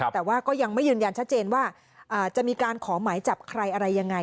แต่ว่าก็ยังไม่ยืนยันชัดเจนว่าจะมีการขอหมายจับใครอะไรยังไง